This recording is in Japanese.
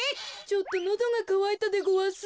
ちょっとのどがかわいたでごわす。